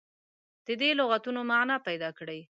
د دې لغتونو معنا پیداکړي.